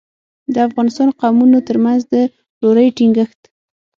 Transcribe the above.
د افغانستان قومونو ترمنځ د ورورۍ ټینګښت.